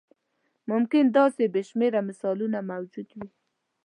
ممکن داسې بې شمېره مثالونه موجود وي.